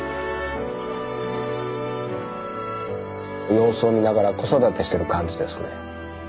様子を見ながら子育てしてる感じですね。